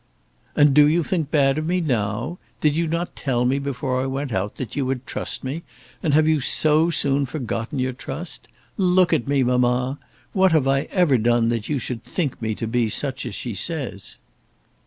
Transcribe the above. "And do you think bad of me now? Did you not tell me before I went out that you would trust me, and have you so soon forgotten your trust? Look at me, mamma. What have I ever done that you should think me to be such as she says?"